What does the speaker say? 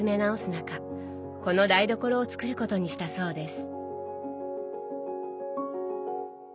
中この台所を作ることにしたそうです。